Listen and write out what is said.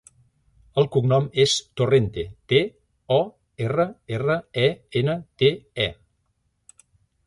El cognom és Torrente: te, o, erra, erra, e, ena, te, e.